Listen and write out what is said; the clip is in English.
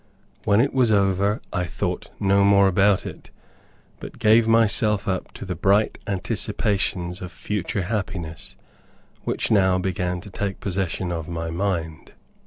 When it was over I thought no more about it, but gave myself up to the bright anticipations of future happiness, which now began to take possession of my mind.